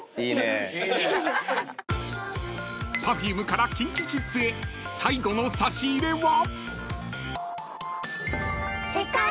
［ＰｅｒｆｕｍｅからＫｉｎＫｉＫｉｄｓへ最後の差し入れは］